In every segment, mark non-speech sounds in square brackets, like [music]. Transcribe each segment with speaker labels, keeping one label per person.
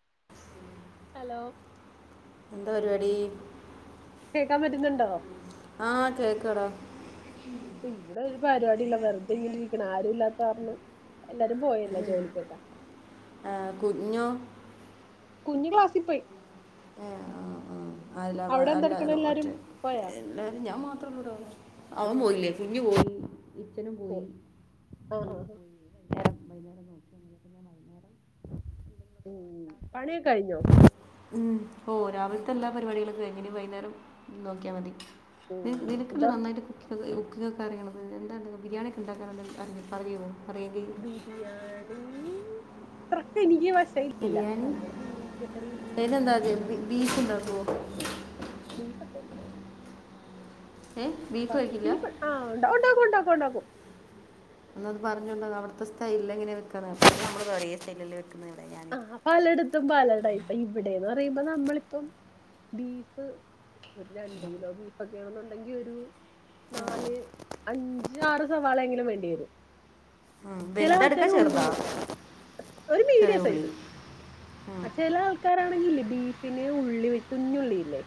Speaker 1: [unintelligible]
Speaker 2: Hello
Speaker 1: എന്താ പരിപാടി
Speaker 2: കേൾക്കാൻ പറ്റുന്നുണ്ട്
Speaker 1: ആ കേക്കാടാ
Speaker 2: ഇ ഇവിടെ ഒരു പരിപാടി ഇല്ല വെറുതെങ്ങിലും ഇരിക്കണ ആരും ഇല്ലാത്ത കാരണം എല്ലാരും പോയില്ല ജോലിക്കൊക്കെ
Speaker 1: കുഞ്ഞോ
Speaker 2: കുഞ്ഞി ക്ലാസിപ്പൊയി
Speaker 1: ഏ ആ ആ അല്ല പ
Speaker 2: അവിടെ
Speaker 1: അല്ല
Speaker 2: എന്തെടുക്കണ്
Speaker 1: ത്
Speaker 2: എല്ലാരും
Speaker 1: റ്റെ
Speaker 2: പോയാ
Speaker 1: എല്ലാരും ഞാൻ മാത്രല്ലടാ അവൻ പോയില്ലേ
Speaker 2: ഉം
Speaker 1: കുഞ്ഞു പോയി. ഇച്ഛനും പോയി.
Speaker 2: ആഹ ഹാ ഹാ
Speaker 1: വൈകുന്നേരം നോക്കി [unintelligible]
Speaker 2: ഉം പണിയൊക്കെഴിഞ്ഞോ
Speaker 1: ഉം ഓ രാവിൽത്തെ എല്ലാ പരിപാടികളും കഴിഞ്ഞ്. ഇനി വൈന്നേരം നോക്കിയാ മതി.
Speaker 2: ഉം
Speaker 1: നിനക്കല്ലെ
Speaker 2: എന്താ
Speaker 1: നന്നായിട്ട് കുക്കി ന്ന് ഉക്കിങ്ങൊക്ക അറിയണണത് എന്താണ്ട ബിരിയാണിയൊക്കെ [unintelligible] അറിയോ
Speaker 2: ബിരിയാണി അത്രക്ക് എനിക്ക് വശ തിട്ടില്ല.
Speaker 1: ബിരിയാണി
Speaker 2: നമ്മള് മീൻകറി
Speaker 1: അതിനെന്താ
Speaker 2: ബീഫ് ബീഫക്കല്ല
Speaker 1: ഏ ബീഫ്
Speaker 2: ബ
Speaker 1: കഴിക്കില്ല
Speaker 2: ബീഫ് ആഹ് ഉണ്ട ഉണ്ടാക്കും ഉണ്ടാക്കും ഉണ്ടാക്കും
Speaker 1: ന്നാന്ന് പറഞ്ഞോണ്ട അവിടുത്തെ സ്റ്റൈലെങ്ങനെ വെക്കാന്ന്. നമ്മള് ഒരേ സ്റ്റൈലെല്ലെ വെക്കാ
Speaker 2: ആഹ പലയിടത്തും പലേടൈപ്പാ ഇവിടേന്ന് പറയ്മ്പോ നമ്മളി ഇപ്പം ബീഫ് ഒരു രണ്ട് കിലോ ബീഫ് ഒക്കെയാണെന്നുണ്ടെങ്കി ഒരു നാല്, അഞ്ച്, ആറ് സവാളെങ്കിലും വേണ്ടി വരും. ചെല
Speaker 1: വലുതെടുക്ക
Speaker 2: ആൾക്കാര് ഉള്ളി
Speaker 1: ചെറുതാ
Speaker 2: ഒരു മീഡിയം
Speaker 1: ചെറിയ
Speaker 2: സൈസ്
Speaker 1: ഉള്ളി ഉം.
Speaker 2: ആ ചില ആൾക്കാരാണെങ്കില്ലേ ബീഫിന് ഉള്ളി കുഞ്ഞുള്ളില്ലേ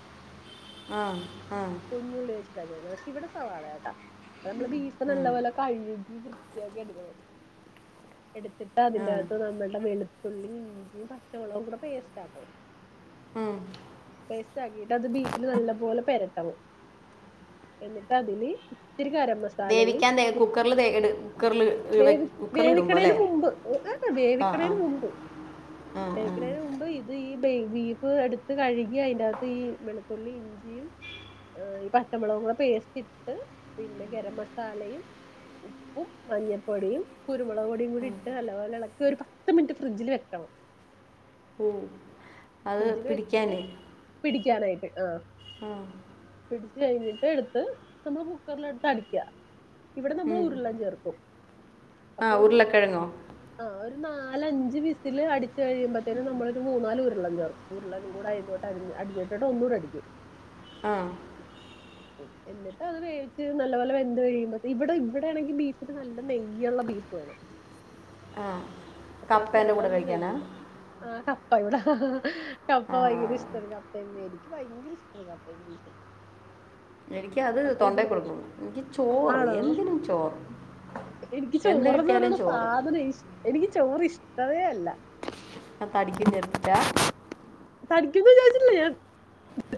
Speaker 1: ആഹ
Speaker 2: കുഞ്ഞുള്ളി വച്ചിട്ടാ ചെയ്യ്ണത്. ക്ഷെ ഇവിടെ സവാളയാട്ടാ. അത് അമ്മള് ബീഫ്
Speaker 1: ഉം,
Speaker 2: നല്ല പോലെ കഴുകി വൃ [unintelligible] എടുത്തിട്ട
Speaker 1: ഉം,
Speaker 2: അതിന്റെകത്ത് നമ്മൾടെ വെള് തുള്ളി ഇഞ്ചി യിംപച്ചമുളകും കൂടെ പേസ്റ്റ് ആാക്കണം
Speaker 1: ഉം.
Speaker 2: പേസ്റ്റാക്കിട്ട് അത് ബീഫില് നല്ല പോലെ പരട്ടാവോ എന്നിട്ടാ തില് ഇത്തിരി കരം മസാലയും
Speaker 1: വേവിക്കാൻ തേ
Speaker 2: മ്
Speaker 1: കുക്കറിൽ തേ കുക്കറിൽ
Speaker 2: വേവി
Speaker 1: കുക്കറിൽ ഇടുമ്പോൾ അല്ലേ
Speaker 2: വേവിക്കണേന് മുമ്പ്
Speaker 1: ആ ആ
Speaker 2: വേവിക്ക്ണേന് മുമ്പ്
Speaker 1: ആ ആ
Speaker 2: വേവിക്ക്ണേന് മുമ്പ് ഇത് ഈ ബേ ബീഫ് എടുത്ത് കഴുകി അയിൻ്റെകത്ത് ഈ വെളുത്തുള്ളി ഇഞ്ചിയും ഏ ഈ പച്ചമുളകു കൂടെപേസ്റ്റ് ഇട്ട് പിന്നെ ഗരം മസാലയും ഉപ്പും മഞ്ഞപ്പൊടിയും കുര് രുമുക് പൊടിയും കൂടി ഇട്ട് നല്ലപോലെ ഇളക്ക് ഒരു പത്ത് മിനിറ്റ് ഫ്രിഡ്ജിൽ വെക്കണം.
Speaker 1: ഉം
Speaker 2: ഫ്രിഡ്ജിൽ വെച്ചിട്ട് പിടിക്കാനായിട്ട് ആഹ
Speaker 1: ആ
Speaker 2: പി ടി കഴിഞ്ഞിട്ട് ഇട്ത്ത് നമ്മള് കുക്കർല്ട്ടടിക്ക. ഇവിടെ നമ്മൾ
Speaker 1: ഉം.
Speaker 2: ഉരുളം ചേർക്കും.
Speaker 1: ആ
Speaker 2: അപ്പൊ ഒരു
Speaker 1: ഉരുളക്കിഴങ്ങോ
Speaker 2: ആ ഒരു നാലഞ്ച് വിസില് അടിച്ചു കഴിയുമ്പോത്തേനും നമ്മളരു മൂന്നാല് ഉരുളം ചേർക്കും ഉരുളനും കൂടെ അയിലോട്ട് അരി അടിഞ്ഞിട്ടിട്ട് ഒന്നൂടെ അടിക്കും.
Speaker 1: ആഹ
Speaker 2: എന്നിട്ട് അത് വേവിച്ച് നല്ലപോലെ എന്നിട്ട് അത് വേവിച്ച് നല്ലത് പോലെ വെന്ത്കഴിയുമ്പ ഇവിടെ ഇവിടെയാണെങ്കിൽ ബീഫിന്റെ നല്ല നെയ്യള്ള ബീഫ് [unintelligible] വേണം. അത്യാവശ്യം
Speaker 1: കപ്പേൻ്റെ
Speaker 2: നല്ല
Speaker 1: കൂടെ
Speaker 2: പോലെ
Speaker 1: കഴിക്കാനാ
Speaker 2: നെയ്യ് ണ്ടാവും. ആ ഹാ ഇവിടെ ഹ ഹ ഹാ കപ്പ
Speaker 1: ആ
Speaker 2: വൈങ്ക ഇഷ്ടാണ്. കപ്പ അപ്പമ്മേനിക്ക് ഭയങ്കര ഇഷ്ടമണ് കപ്പേം ബീഫും
Speaker 1: എനിക്ക അത്
Speaker 2: അപ്പൊ ഇത്
Speaker 1: തൊണ്ടേ
Speaker 2: വേ
Speaker 1: കുടുങ്ങും. നിക്ക് ചോറ്
Speaker 2: ആണോ
Speaker 1: എന്തിനും ചോറ്
Speaker 2: എനിക്ക്
Speaker 1: എന്ത്
Speaker 2: ചോറന്നത്
Speaker 1: കിട്ടിയാലും
Speaker 2: പറയ്ണ
Speaker 1: ചോറ്
Speaker 2: സാധനം ഇഷ് എനിക്ക് ചോറ് ഇഷ്ടവേ അല്ല.
Speaker 1: ആ തടിക്കും വിചാര്ചിട്ടാ
Speaker 2: തടിക്കൂന്ന് വിചാരിച്ചില്ല ഞാൻ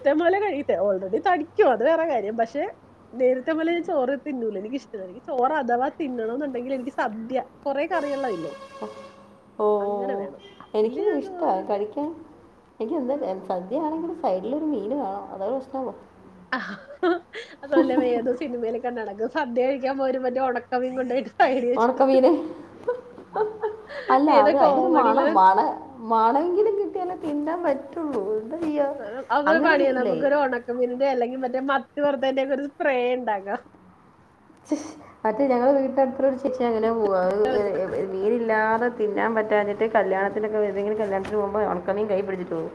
Speaker 2: ഇതേ പോലെ കഴിയട്ട ഓൾറെഡി തടിക്കൂ അത് വേറെ കാര്യം പക്ഷെ നേരത്തെ പോലെൻ ചോറ് തിന്നൂല നേരത്തേ പോലെ ഞാ ചോറ് തിന്നൂല എനിക്കിഷ്ടല്ല. ചോറ് അഥവാ തിന്നണന്നുണ്ടെങ്കില് സദ്യ. കൊറേ ക അറിയള്ള ഇല്ലേ
Speaker 1: അ
Speaker 2: അങ്ങനെ വേണം ഇല്ല
Speaker 1: എനിക്ക
Speaker 2: ഞാൻ
Speaker 1: ഇഷ്ട
Speaker 2: ചോറ് തിന്നൂല
Speaker 1: കഴിക്കാൻ എനിക്ക് എന്താ സദ്യയാണെങ്കിൽ സൈഡിൽ ഒരു മീൻ വേണം അതൊ പ്രശ്നമവു
Speaker 2: ആ അതൊല്ലേ ഏതോ സിനിമയിലൊ ക നടട സദ്യ കഴിക്കാൻ പോ മറ്റേ ഒണക്ക മീൻ കൊണ്ടയിട്ട്
Speaker 1: ഒണകമീന അല്ല
Speaker 2: ഏതോ
Speaker 1: അത് അയിന്രു മാണ
Speaker 2: കോമഡിയില്
Speaker 1: മാണ മാണമെങ്കിലും കിട്ടിയാല പിന്താ പറ്റുള്ളൂ ചെയ്യുക
Speaker 2: അതൊരു
Speaker 1: അങ്ങനെ
Speaker 2: പണിയാ
Speaker 1: ചെയ്യില്ലേ
Speaker 2: നമുക്കൊ ഒരു ഉണക്കമിന്റെ അല്ലെങ്കിൽറ്റ പക്ഷെ മറ്റ വെറുതന്റെക്കെ ഒരു സ്പ്രേ ഉണ്ടാക്ക
Speaker 1: ഛ്, മറ്റേ ഞങ്ങ വീട്ടിലടുത്തോട് ചിറ്റി അങ്ങനെ പോക അ മീനല്ലാതെ തിന്നാൻ പറ്റ കറ്റാഞ്ഞിട്ട്ല്യാണത്തിനൊെ വേതെങ്കിലും കല്യാത്തിന് പോകുമ്പോ ഒണക്ക മി കൈ പിടിച്ചട്ട് പോകും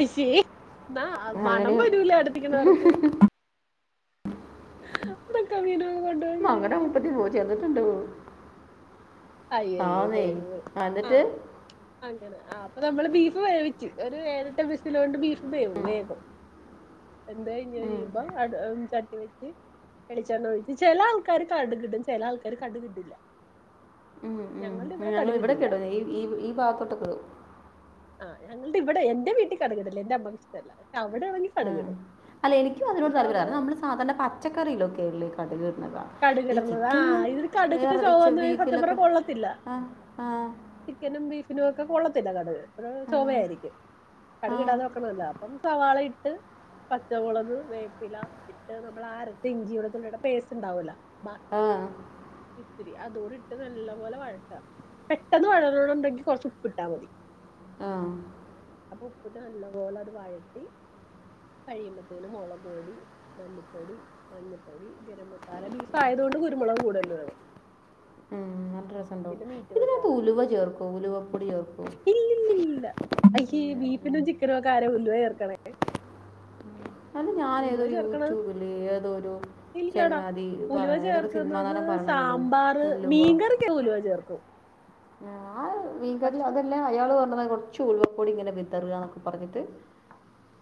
Speaker 2: ഐശേ എന്ന മണം
Speaker 1: അങ്ങനെ
Speaker 2: വരൂല അടുത്തിക്കുന്നവർക്ക് ന്തക്ക വീണു
Speaker 1: അങ്ങന മുപ്പത്തി പോ ചെന്നിട്ടുണ്ട്
Speaker 2: ആയി ആയി ഉത
Speaker 1: ആന്നേ
Speaker 2: ആ
Speaker 1: എന്നിട്ട്
Speaker 2: അപ്പൊ നമ്മള് ബീഫ് വേവിച്ച് ഒരു ഏഴട്ട്സ് വിസിലോണ്ട് ബീഫ് വേവും വേഗം എന്ത് കഴിഞ്ഞ് കഴിയുമ്പോ അ ചട്ടി വെച്ച് എളിച്ചെണ്ണഴിച്ചു ചെല ആൾക്കാര് കട്കിട്ടും ചില ആൾക്കാര് കട്ക് ട്ടില്ല ഞങ്ങളുടെ ഇവിടെ
Speaker 1: ഞങ്ങൾ ഇവിടെ ക്കെടും ഈ ഈ ഭാഗത്തോട്ടൊക്കടും
Speaker 2: ആഹ്ഞങ്ങുടെ ഇവിടെ എന്റെ വീട്ടിൽ കടകടല്ല എന്റെ അമ്മക്ക് ഇഷ്ടമല്ലാേ
Speaker 1: ഉ അല്ല എനിക്കും അതിനോട് തല്പര്യം കാരണം നമ്മള് സാധാരണ പച്ചക്കറയിലൊക്കെ ഉള്ള കട ഈ
Speaker 2: കടുകിടണത്
Speaker 1: ചിക്കനിലും
Speaker 2: ആഹ് ഇത് കടുകിന്റെ
Speaker 1: വേറെ ച
Speaker 2: ചൊവന്ന് സത്യം
Speaker 1: ബീഫിലൊക്കെ
Speaker 2: പറഞ്ഞ കൊള്ളത്തില്ല
Speaker 1: ആ ആ
Speaker 2: ചിക്കനും ബീഫിനും കൊള്ളത്തില്ല കടുക്
Speaker 1: ആ
Speaker 2: ചുമയായിരിക്കും
Speaker 1: ആ
Speaker 2: കടുക് ഇടാതെ വെക്കണല്ല അപ്പം സവാള ട്ട് പച്ചമുളക് വേപ്പില ഇട്ട് നമ്മൾ ആരത്തെ ഇഞ്ചിയുടെ തുള്ളിയുടെ പേസ്റ്റ് ഉണ്ടാവൂല ബാക്കി
Speaker 1: ആഹ്
Speaker 2: ഇത്തിരി അതോടിട്ട് നല്ല പോലെ വഴട്ട പെട്ടെന്ന് വഴന്നണ ഉണ്ടെങ്കിൽ കുറച്ച് ഉപ്പ്ട്ടാൽ മതി
Speaker 1: ആ
Speaker 2: അപ്പൊ ഉപ്പിട്ട് നല്ല പോലെ അത് വഴട്ടി കഴിയുമ്പത്തേനും മുളക് പൊടി മല്ലിപ്പൊടി മഞ്ഞപ്പൊടി ഗരം മസ നല്ല ബീഫ് ആയതൊണ്ട് കുരുമുളക് കൂടുതല് വേണം
Speaker 1: ന രസം ഉണ്ടാവും
Speaker 2: പിന്നെ മീറ്റ്
Speaker 1: ഇതിനത്
Speaker 2: മസാല
Speaker 1: ഉലുവ ചേർക്കോ ഉലുവപ്പൊടി ചേർക്കോ
Speaker 2: ഇല്ലല്ലല്ല അയ്യേ ബീഫിനും ചിക്കനോ ഒക്കെ ആര ഉല്ലുവ ചഏർക്കണേ
Speaker 1: അത് ഞാൻ ഏതൊരു യൂട്യൂബില് ഏതൊരു
Speaker 2: ഇല്ലടാ
Speaker 1: ചങ്ങാതി
Speaker 2: ഉലുവ
Speaker 1: പറയണ ഏതൊരു സിനിമാ
Speaker 2: ചേർക്കുന്നത്
Speaker 1: നടൻ പറയണെങ്കിലും
Speaker 2: സാമ്പാറ്
Speaker 1: ഉലുവ
Speaker 2: മീൻകറിക്കാ ഉലുവ ചേർക്ക കും
Speaker 1: മീൻ കറി അതെല്ല അയാള് പറഞ്ഞ കുറച്ച് ഉഴുവക്കൂടി ഇങ്ങനെ വിതറുക എന്നൊക്കെ പറഞ്ഞിട്ട്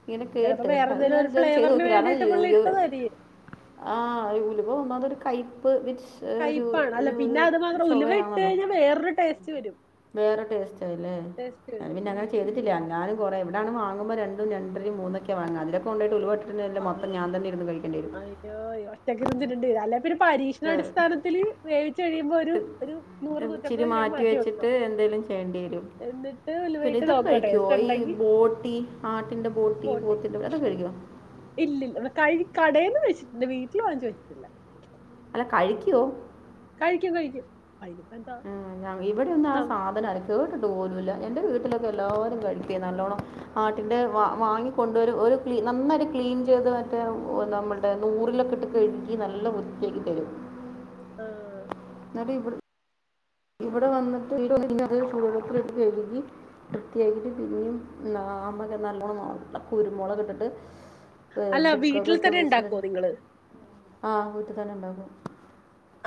Speaker 1: ഇങ്ങനെ
Speaker 2: ചിലപ്പോ
Speaker 1: കേട്ട് ശേ
Speaker 2: വേറെ
Speaker 1: അത്
Speaker 2: എന്തെലും
Speaker 1: ഞാൻ
Speaker 2: ഒരു
Speaker 1: ഇതുവരെ ചെയ്ത്
Speaker 2: ഫ്ലേവറിന്
Speaker 1: നോക്കില കണം
Speaker 2: വേണ്ടിയിട്ട്
Speaker 1: യു
Speaker 2: പുള്ളി
Speaker 1: യു
Speaker 2: ഇട്ടതായിരിക്കും
Speaker 1: ആ അ അതൊരു കൈപ്പ് വീറ്റ്സ് ഒരു
Speaker 2: കയ്പ്പാണ് അല്ല
Speaker 1: ഒരു ഒരു
Speaker 2: പിന്നെ അത് മാത്രം ഉലുവ ഇട്ട്
Speaker 1: ചോവയാണല്ലോ
Speaker 2: കഴിഞ്ഞാൽ വേറൊരു ടേസ്റ്റ് വരും
Speaker 1: ടേസ്റ്റ്ല്ലേ
Speaker 2: ടേസ്റ്റ്
Speaker 1: ഞാന്
Speaker 2: വരും
Speaker 1: പിന്നെ അനെ
Speaker 2: ഉം
Speaker 1: ചെയ്തിട്ട ഞാനോ കുറ എവിടാണ് വാങ്ങുമ്പോ രണ്ടും രണ്ടര മൂന്നൊക്കെ വങ്ങ അതിനൊക്കെണ്ടായിട്ട് ഉലുവ ഇട്ട്
Speaker 2: ആഅയോ ഒറ്റക്ക് ഇിരുന്ന് തിന്നേണ്ടിയിരും അല്ലപിന്നെ പരീക്ഷണാടിസ്ഥാനത്തിൽ വേവിച്ച കഴിയുമ്പോ ഒരു ഒരു നൂറ്
Speaker 1: ഉ ച്ചിരി
Speaker 2: നൂറ്റമ്പത് ഗ്രാം
Speaker 1: മാറ്റി
Speaker 2: വെക്കുക
Speaker 1: വെച്ചിട്ട് എന്തെലും ചെയ്യേണ്ടി വരും
Speaker 2: എന്നിട്ട്
Speaker 1: പിന്നെ
Speaker 2: ഉലുവയിട്ട്
Speaker 1: ഇതൊക്കെ
Speaker 2: നോക്കുക
Speaker 1: കഴിക്കുവോ
Speaker 2: ടേസ്റ്റ്
Speaker 1: ഈ
Speaker 2: ഉണ്ടെങ്കി
Speaker 1: ബോട്ടി ആട്ടിന്റെ ബോട്ടി
Speaker 2: പോട്ടെ
Speaker 1: പോത്തിന്റെടെ അതൊ കഴിക്കോ
Speaker 2: ഇല്ലില്ല ഇവിട കഴി കടേന്ന് കഴിച്ചിട്ട്ണ്ട് വീട്ടില് വാങ്ങിച്ച് കഴിച്ചിട്ടില്ല.
Speaker 1: കഴിക്കുവോ?
Speaker 2: കഴിക്കും കഴിക്കും. എന്താ
Speaker 1: ഉം ഞ ഇവിടെ ഒന്നും ആ
Speaker 2: നം
Speaker 1: സാധനം ആരും കേട്ട് പോലുല്ല എന്റെ വീട്ടിലൊക്കെ എല്ലാവരും കഴിക്കുഏ നല്ലോണ്ണം ആട്ടിന്റെ വാങ് വാങ്ങിക്കൊണ്ടു വരും ഒരുക്ലീ നന്നായിട്ട് ക്ലീൻ ചെയ്ത് മറ്റേ നമ്മളുടെ നൂറിലൊക്കെ ഇട്ട് കഴുകി നല്ല വൃത്തിയാക്കിതരും
Speaker 2: ആ
Speaker 1: ന്നട്ടി ഇബ്ൾ ഇവിടെ വന്നട്ട് [inaudible] ചൂടുവെള്ളത്തലിട്ട് കഴ്കി വൃത്തിയായിട്ട് പിന്നെയും [unintelligible] നല്ലോണം നോ കുരുമുളകിട്ടിട്ട് ഏ
Speaker 2: അല്ല വീട്ടിൽ
Speaker 1: കുക്കറില് ഇട്ട്
Speaker 2: തന്നെ
Speaker 1: വിസിൽ,
Speaker 2: ഇണ്ടാക്കുവോ നിങ്ങള്
Speaker 1: ആഹ് വീട്ടി തെന്നെ ണ്ടാക്കും.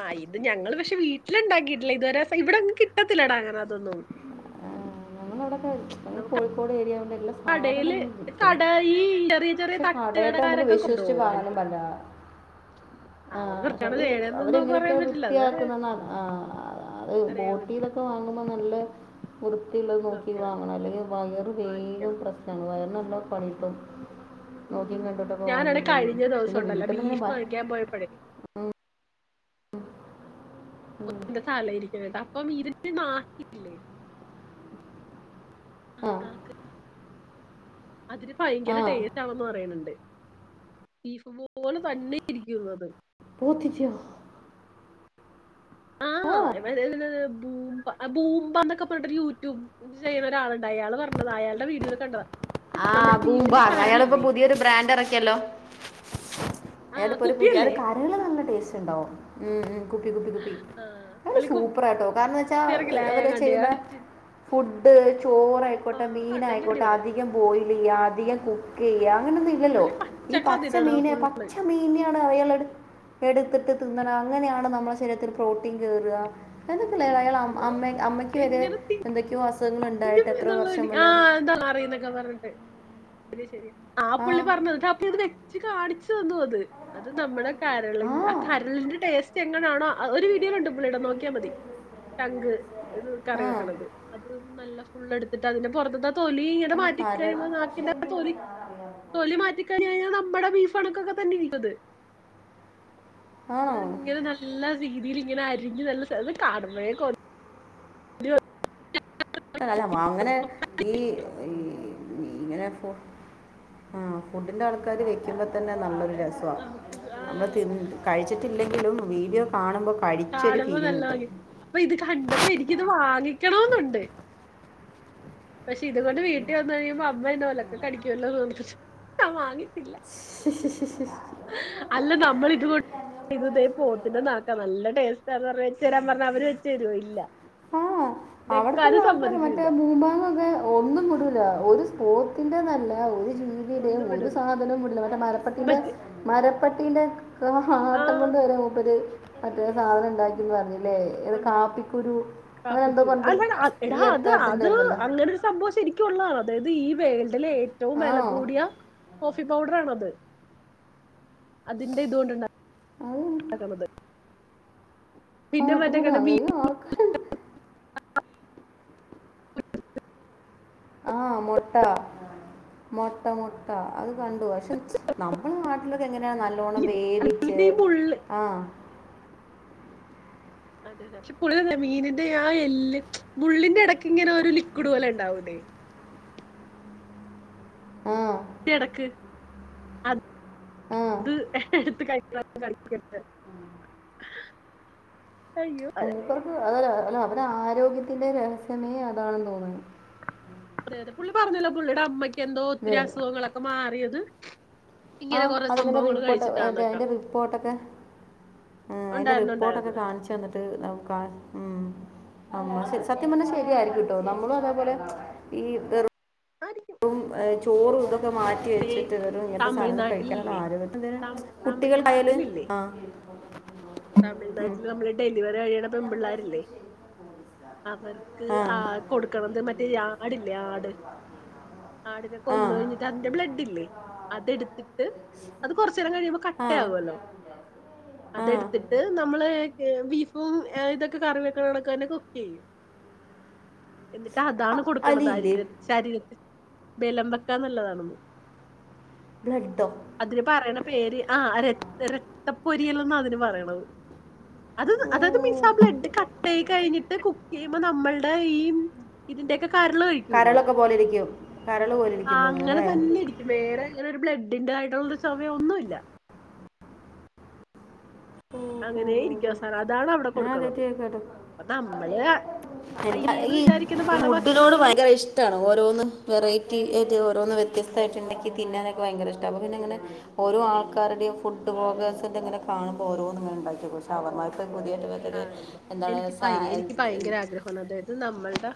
Speaker 2: ആഹ് ഇത് ഞങ്ങള് പഷെ വീട്ടില് ണ്ടാക്കിയിട്ടില്ല ഇതുവരെ, ഇവിടെങ്ങ് കിട്ടത്തില്ലടാങ്ങന അതൊന്നും
Speaker 1: ആഹ് [unintelligible] മ്മള്
Speaker 2: നമുക്ക്
Speaker 1: കോഴിക്കോട് ഏരിയായോണ്ട് എല്ല
Speaker 2: കടേല്
Speaker 1: സാധനങ്ങളും കിട്ടും
Speaker 2: കട ഈ ചെറിയ ചെറിയ
Speaker 1: പക്ഷെ കടയത്തെ നമുക്ക്
Speaker 2: തട്ടുകടക്കാരൊക്കെ
Speaker 1: വിശ്വസ്ച്
Speaker 2: കൊണ്ടുപോകും
Speaker 1: പാങ്ങാനും
Speaker 2: വാങ്ങിച്ചോണ്ട്
Speaker 1: പറ്റ്ല ആ
Speaker 2: അവര് വൃത്തിയാണോ
Speaker 1: ഷെത്
Speaker 2: ചെയ്യണേന്നൊന്നും നമുക്ക് പറയാൻ
Speaker 1: അവരെങ്ങനെയൊക്കെയാണ്
Speaker 2: പറ്റില്ല അത് വേറെ
Speaker 1: വൃത്തിയാക്കുന്നെന്നാണ്, ആ അ അത്
Speaker 2: അറിയാൻ പറ്റില്ല
Speaker 1: ബോട്ടിയിലൊക്കെ വാങ്ങ ങ്ങുമ്മൊ നല്ല വൃത്തിള്ളത് നോക്കി
Speaker 2: സത്യമാണ്
Speaker 1: വാങ്ങണം അല്ലെങ്കിൽ വയറ് വേഗം
Speaker 2: വാങ്ങിക്കണം
Speaker 1: പ്രശ്നാണ് വയറിന് [unintelligible] [unintelligible] പണിട്ടും നോക്കി
Speaker 2: ഉം
Speaker 1: കണ്ടോട്ടൊക്കെ
Speaker 2: ഞാനാണെ
Speaker 1: വാങ്ങീല്ലെങ്കി
Speaker 2: കഴിഞ്ഞ
Speaker 1: [unintelligible]
Speaker 2: ദിവസം
Speaker 1: പിന്നെ
Speaker 2: ഉണ്ടല്ലോ
Speaker 1: വീട്ടന്ന്ങ്ങനെ
Speaker 2: ബീഫ്
Speaker 1: വ
Speaker 2: വാങ്ങിക്കാൻ പോയപ്പോഴേ അന്റെ തല ഇരിക്കണ [unintelligible] ഇരുന്ന് [unintelligible] ആ താക്ക് അതില്
Speaker 1: ആ
Speaker 2: ഭയങ്കര ടേസ്റ്റ് ആണന്ന് പറയണണ്ട്. ബീഫ് പോലെ തന്നെ ഇരിക്കുന്നത്
Speaker 1: പൂത്തിച്യോ? ഓ
Speaker 2: [unintelligible] ബൂംബ ആ ഭൂമ്പ എന്നൊക്കെ പറഞ്ഞിട്ട് ഒരു യൂട്യൂബ് ചെയ്യണ ഒരാളുണ്ട് അയാൾ പർഞ്ഞതാ പറഞ്ഞത അയാളുടെ വീഡിയോൽ കണ്ടതാ ഇത്
Speaker 1: ആ
Speaker 2: നമ്മുടെ ബീഫിന്റെ
Speaker 1: ബൂമ്പാർ അയാളിപ്പോ
Speaker 2: കരളില്ലേ
Speaker 1: പുതിയൊരു ബ്രാൻഡ് ഇറക്കിയല്ലോ
Speaker 2: ആ
Speaker 1: എടപ്പൊരു പുതിയ അത്
Speaker 2: കുപ്പിയല്ലേ
Speaker 1: കരള് നല്ല ടേസ്റ്റ് ഇണ്ടാവും ഉം ഉം കുപ്പി കുപ്പി കുപ്പി
Speaker 2: ആ
Speaker 1: അവല്
Speaker 2: പുള്ളി കുപ്പി
Speaker 1: സൂപ്പറാ ട്ടോ കാരണം ന്ന്‌വെച്ചാ
Speaker 2: ഇറക്കില്ല ഞാൻ
Speaker 1: അവര്
Speaker 2: കണ്ടിയാ
Speaker 1: ചെയ്യുന്ന ഫുഡ് ഇത് ചോറായിക്കോട്ടെ
Speaker 2: കണ്ടന്റ്
Speaker 1: മീനായിക്കോട്ടെ
Speaker 2: അടിപൊളിയാ
Speaker 1: അധികം പോയി അധിക കുക്കി ല്ല്യ. അങ്ങനൊന്നും ഇല്ലല്ലോ
Speaker 2: പുള്ളി
Speaker 1: ഈ
Speaker 2: പച്ചക്ക
Speaker 1: പച്ച
Speaker 2: തിന്നണ
Speaker 1: മീന പച്ചമീൻയാണ് അയാള് എട് എടു ത് ത് തിന്നലാ അങ്ങനെയാണ് നമ്മള ശരീരത്തിൽ പ്രോട്ടീൻ കേറ്ആ. എന്തെ അയാള് അയാളെ അം
Speaker 2: ഫുള്ള്
Speaker 1: അമ്മയ് അമ്മയ്ക്ക് വരെ എന്തൊക്കെയോ അസു
Speaker 2: [unintelligible] ആഹ് അതാ അറിയുന്നൊക്കെ പറഞ്ഞിട്ട്. ശരി ശരി ആ പുള്ളി പറഞ്ഞത്ട്ട് അപ്പൊ ഇത് വെച്ച് കാണിച്ചു തന്നു അത് അത് നമ്മുടെ കരളി ആ കരളിന്റെ ടേസ്റ്റ് എങ്ങനെയാണോ ഒരു വീഡിയോൽ ഉണ്ട് നമ്മളിവിട നോക്കിയാമതി ട്ടങ്ക്. ഇത് കറി
Speaker 1: ആ
Speaker 2: വെക്കണത് അത് നല്ല ഫുള് എടുത്തിട്ടതിന്റെ പുറത്ത്ത്തെ തൊലി ഇങ്ങനെ
Speaker 1: അല്ല
Speaker 2: മാറ്റി
Speaker 1: കര
Speaker 2: കഴിയുമ്പോ നാക്കിന്റെ ആ തൊലി തൊലി മാറ്റി കഴിഞ്ഞയിഞ്ഞാൽ നമ്മുടെ ബീഫ് പണക്കൊക്കെ തന്നെ ഇരിക്കണത്. അത്
Speaker 1: ആണോ
Speaker 2: ഇങ്ങനെ നല്ല വീത് ഈല് ഇങ്ങന അരിഞ്ഞ് നല്ല കാണുമ്പൊയെ കൊതി [unintelligible]
Speaker 1: അല്ല മാ അങ്ങനെ ഈ ഇങ്ങനെ പ്പൊ ആ ഫുഡിന്റെ ആൾക്കാര് വെക്കുമ്പോ തന്നെ നല്ലൊരു [unintelligible]
Speaker 2: നമുക്ക് ആ
Speaker 1: നമ്മള് തിൻ കഴിച്ചിട്ടില്ലെങ്കിലും വീഡിയോ കാണുമ്പോ
Speaker 2: കാണുമ്പോ നല്ല ഭംഗി അപ്പൊ ഇത് കണ്ടപ്പോ എനിക്കിത് വാങ്ങിക്കണോന്നുണ്ട്.
Speaker 1: [inaudible]
Speaker 2: പക്ഷെ ഇതുകൊണ്ട് വീട്ടിൽ വന്നു കഴിയുമ്പോ അമ്മ എന്ന ഒലക്കക്കടിക്കുഅല്ലോന്ന് ഓർത്തിട്ട് ഞാൻ വാങ്ങിട്ടില്ല.
Speaker 1: ശിഷി ഷി ഷി
Speaker 2: അല്ല നമ്മൾ ഇത്ണ്ട് ഇത പോത്തിന്നാക്കാം നല്ല എന്ന് പറ വെച്ച തരാൻ പറഞ്ഞ അവര് വെച്ച് തരുമോ ഇല്ല
Speaker 1: അവിടത്തെുള്ള
Speaker 2: വെക്കാനും
Speaker 1: ആൾക്കാര മറ്റേ
Speaker 2: സമ്മതിക്കൂല്ല
Speaker 1: ഭൂഭാഗൊക്കെ ഒന്നും വിടല ഒരു പോത്തിന്റെ നല്ല ജീവിയുടെയും
Speaker 2: ഒന്നും
Speaker 1: ഒരു
Speaker 2: വിടൂല
Speaker 1: സാധനവും മുട മറ്റേ മരപ്പട്ടീന്റെ
Speaker 2: മറ്റ്
Speaker 1: മരപ്പട്ടീന്റെ ആട്ടം
Speaker 2: ആഹ്
Speaker 1: കൊണ്ട് മപ്പ മറ്റേ സാധനം ഉണ്ടാക്കിന്ന് പറഞ്ഞേത് കാപ്പിക്കുരു അങ്ങനെ എന്തോ പറഞ്ഞിട്ട്
Speaker 2: അതാണ് അടാ
Speaker 1: ഈ അടുത്ത
Speaker 2: അത് അത്
Speaker 1: അടുത്തുണ്ടായിരുന്നല്ലോ
Speaker 2: അങ്ങനരു സംഭവം ശരിക്കുംള്ളതാണ് അതായത് ഈ വേഖല ലെ ഏറ്റവും വില
Speaker 1: ആണോ
Speaker 2: കൂടിയ കോഫി പൗഡർ ആണത് അതിന്റെ ഇതുകൊണ്ടുണ്ട
Speaker 1: അത്
Speaker 2: കണത്ത്
Speaker 1: കാട്ട കൂട അങ്ങോ ആൾക്കാാര് ആ മൊട്ടാ മുട്ട മുട്ട അത് കണ്ടു പക്ഷെ നമ്മുടെ നാട്ടിലൊക്കെ എങ്ങനെയാണ് നല്ലോണ്ണം വേ
Speaker 2: മീനില്ലേ
Speaker 1: ച്ച്
Speaker 2: മീനിന്റെ ഈ മുള്ള്
Speaker 1: ആ
Speaker 2: അതെ അതെ പക്ഷെ പുുള്ളി മീനിന്റെ ആ എല്ല് മുള്ളിന്റെറെ ഇടക്ക ഇങ്ങനെ ഒരു ലിക്വിഡ് പോലെ ഉണ്ടാവതേ
Speaker 1: ആം
Speaker 2: കിടക്ക്
Speaker 1: ആ
Speaker 2: അത് എടുത്ത് കഴിക്ക കഴിക്കിക്കട്ട
Speaker 1: മൂപ്പർക്ക് അതല്ല അല്ല അവടെ ആരോഗ്യത്തിന്റെ രഹസ്യമേ അതാണെന്ന് തോന്നുന്നു
Speaker 2: അതെ അതെ പുള്ളി പറഞ്ഞില്ല പുള്ളിയുടെ അമ്മയ്ക്ക് എന്തോ ഒത്തിരി
Speaker 1: അല്ലേ
Speaker 2: അസുഖങ്ങളൊക്കെ മാറിയത്
Speaker 1: ആ
Speaker 2: ഇങ്ങനെ കുറെ
Speaker 1: അത്ങ്ങനെ
Speaker 2: സംഭവങ്ങൾ
Speaker 1: റിപ്പോർട്ട്
Speaker 2: കഴിച്ചിട്ടാന്നൊക്കെ
Speaker 1: അതിന്റെ റിപ്പോർട്ട് ഒക്കെ ആ അതിന്റെ
Speaker 2: ഉണ്ടായിരുന്നു ഉണ്ടായിരുന്നു
Speaker 1: റിപ്പോർട്ടൊക്കെ കാണിച്ചു വന്നിട്ട് കാ ഉ ആമ്മ
Speaker 2: അതെ അതെ
Speaker 1: സത്യം പറഞ്ഞ ശെരിയായിരിക്കും കേട്ടോ നമ്മളും അതേപോലെ ഈറ
Speaker 2: ആരിക്കും
Speaker 1: ചോറത മാറ്റി വെച്ചിട്ട് വെറും ഇങ്ങനത്തെ സാധനങ്ങ കഴിക്കാനുള്ള
Speaker 2: തമിഴ്നാട്ടിലില്ലേ
Speaker 1: ആര
Speaker 2: തം-
Speaker 1: കുട്ടികൾ ആയല് ആ ഉം,
Speaker 2: തമിഴ്നാട്ടില് നമ്മള് ഡെലിവറി കഴിയണ പെൺ പിള്ളേരില്ലേ അവർക്ക് ആ കൊടുക്കണത് മറ്റേ ആടില്ലേ ആട് ആടിനക്കെ
Speaker 1: ആ
Speaker 2: ഒന്ന കഴിഞ്ഞിട്ട് അതിന്റെ ബ്ലഡ് ഇല്ലേ അതെടുത്തിട്ട് അത് കുറച്ച നേരം കഴിയുമ്പോ
Speaker 1: ആ
Speaker 2: കട്ടയാകുമല്ലോ
Speaker 1: ആ
Speaker 2: അതെടുത്തിട്ട് നമ്മള് ബീഫും ഇതൊക്കെ കറി വെക്ക നടക്കന്നെ കുക്ക് ചെയ്യും എന്ത് അതാണ്
Speaker 1: അ-
Speaker 2: കൊടുക്കണത് ശരീ
Speaker 1: അലിയില്ലേ
Speaker 2: ശരീരത്തെ ബലം വെക്കാ നല്ലതാണെന്ന്
Speaker 1: ബ്ലഡ് ഓ
Speaker 2: അതിന് പറയണ പേര് ആ ര രക്ത പൊരിയല്ലന്ന അതിന് പറയണത് അത്
Speaker 1: ഓ
Speaker 2: അതായത് മിസ്സാ ബ്ലഡ് കട്ടയി കഴിഞ്ഞിട്ട് കുക്ക് ചെയ്യുമ്പോ നമ്മളുടെ ഈ ഇതിൻ്റെ ഒക്കെ കരളു കഴിയ്ക്കുലെ
Speaker 1: കരളൊക്കെ പോലെ ഇരിക്കും കരൾ പോലെ
Speaker 2: ആ
Speaker 1: ഇരിക്കും തോന്നുന്നു
Speaker 2: അങ്ങനെ
Speaker 1: അല്ലേ
Speaker 2: തന്നെ ഇരിക്കും വേറെ അങ്ങനെ ഒരു ബ്ലഡ് ടിന്റെ ആയിട്ടുള്ളരു ചൊവ യൊ ഒന്നുമല്ല
Speaker 1: ഓ, ഓ,
Speaker 2: അങ്ങനെ
Speaker 1: ഓ,
Speaker 2: ഇരിക്കുവ
Speaker 1: ഓ.
Speaker 2: അവസാനം അതാണ് അവിടെ
Speaker 1: ഞാൻ ആദ്യയയിട്ട്
Speaker 2: കൊടുക്കണത്
Speaker 1: കേക്കുവട്ടോ
Speaker 2: അപ്പൊ നമ്മള്
Speaker 1: എനിക്ക്
Speaker 2: അയ്യേന്ന്
Speaker 1: ഈഈ
Speaker 2: വിചാരിക്കുന്ന പല
Speaker 1: ഫുഡിനോട്
Speaker 2: ഭക്ഷണങ്ങളും
Speaker 1: ഭയങ്കര ഇഷ്ടമാണ് ഓരോന്ന് വെറൈറ്റി ഓരോന്ന് വ്യത്സ്തമായിട്ടുണ്ടങ്ക തിനാനൊക്കെ ഭയങ്കര ഇഷ്ടമാണ് അപ്പോ പിന്നെ അങ്ങന
Speaker 2: ചെയ്യാനായിട്ട്
Speaker 1: ഓരോ ആൾക്കാരുടെയും ഫുഡ്
Speaker 2: ഉം
Speaker 1: ബോഗ്സിൻ്റെ അങ്ങനെ കാണുമ്പോൾ ഓരോ ഇങ്ങനെ ഉണ്ടാക്കക്ക പക്ഷ അവർക്കക്ക് പുതിയ
Speaker 2: കാണുമ്പ എനിക്ക് ഭയ എനിക്ക് ഭയങ്കര ആഗ്രഹമാണ് അതായത് നമ്മളുടെ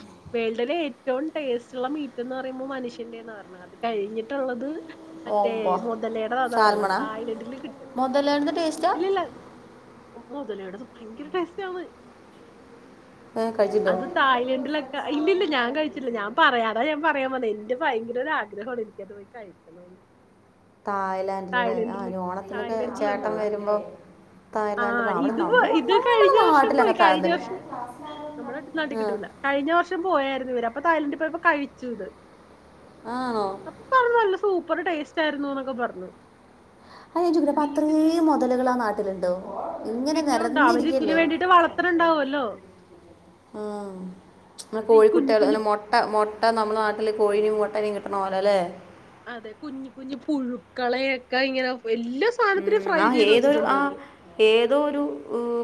Speaker 1: ഉ
Speaker 2: വേൾഡിലെ ഏറ്റവും ടേസ്റ്റ് ഉള്ള മീറ്റ് എന്ന് പറയുമ്പോൾ മനുഷ്യന്റെന്ന് പറഞ്ഞ അത് കഴിഞ്ഞിട്ടുള്ളത് മറ്റേ
Speaker 1: ഓമ്പോ
Speaker 2: മുതലേയുടെ തന്നവരാണോ
Speaker 1: സാൽമണ
Speaker 2: തായ്ലഡില് കിട്ടും
Speaker 1: മുതലായിരുന്ന ടേസ്റ്റാ
Speaker 2: ഇല്ലല്ല മുതലായിവിട ഭയങ്കര ടേസ്റ്റ് ആന്ന്
Speaker 1: കഴിച്ചിട്ടോ
Speaker 2: അത് തായ്ലൻഡിലൊക്കെ ഇല്ലില്ല ഞാൻ കഴിച്ചില്ല ഞാൻ പറയാതാ ഞാൻ പറ പറയാൻ എന്റെ ഭയങ്കര ആഗ്രഹമാണ് എനിക്കത് പോയി കഴിക്കണന്ന്
Speaker 1: തായ്ലാൻഡില ആഹ
Speaker 2: തായ്ലൻഡില്
Speaker 1: ഓണത്തിനൊക്കെ ചേട്ടം
Speaker 2: തായ്ലൻഡിലുണ്ടല്ലോ
Speaker 1: വരുമ്പോ തായ്ല
Speaker 2: ആ
Speaker 1: അല്ലാ അവിടെ
Speaker 2: ഇത് പോ-
Speaker 1: നമ്മ
Speaker 2: ഇത്
Speaker 1: നമ്മളെ
Speaker 2: കഴിഞ്ഞ വർഷം
Speaker 1: നാട്ടില
Speaker 2: പോയി
Speaker 1: അങ്ങെ ത
Speaker 2: കഴിഞ്ഞ വർഷം നമ്മുടെ അടു നാട്ട കിട്ടില്ല കഴിഞ്ഞ വർഷം പോയായിരുന്നു ഇവര് അപ്പൊ തായ്ലൻറിിൽ പോയപ്പോ കഴിച്ചു ഇത്
Speaker 1: ആഹ
Speaker 2: അപ്പൊ പറഞ്ഞു നല്ല സൂപ്പർ ടേസ്റ്റ് ആയിരുന്നു എന്നൊക്കെ പറഞ്ഞു
Speaker 1: അ ചുവിപ്പ
Speaker 2: ബീഫിന്റെ
Speaker 1: അത്രയും മുതലുകൾ ആ നാട്ടിലുണ്ടോ ഇങ്ങനെ
Speaker 2: പിന്നെ ഉണ്ട് അവര് ഇതിന്
Speaker 1: നിറന്നിരിക്കല്ലേ
Speaker 2: വേണ്ടിട്ട് വളർത്തണുണ്ടാവുമല്ലോ
Speaker 1: ആ
Speaker 2: എന്നിട്ട് ഈ കുഞ്ഞു കുഞ്ഞു
Speaker 1: കോഴിക്കുട്ടിയല്ലെ മുൊട്ട മുട്ട നമ്മെ നാട്ടില് കോഴും മുട്ടനും കിട്ടണ പോലെ അല്ലെ
Speaker 2: അതെ കുഞ്ഞ കുഞ്ഞഞ് പുഴുക്കളെയൊക്കെ ഇങ്ങനെ എല്ലാ സാധനത്തിനും
Speaker 1: ഉം
Speaker 2: ഫ്രൈ
Speaker 1: ആ
Speaker 2: ചെയ്ത്
Speaker 1: ഏതൊരു ആ
Speaker 2: വെച്ചിട്ടുണ്ടന്ന്
Speaker 1: ഏതോരു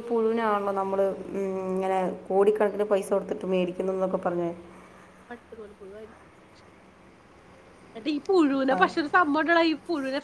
Speaker 1: പുഴുനാണല്ലോ നമ്മള് ഇങ്ങനെ കോടിക്കണക്കിന് പൈസ കൊടുത്തിട്ട് മേടിക്കുന്നു എന്നൊക്കെ പറഞ്ഞ
Speaker 2: പട്ടു തോലി പുഴുവായിരിക്കും പുഴുവിന
Speaker 1: ആ,
Speaker 2: പക്ഷെൊരു സമ്മ ഈ പുഴവിനെ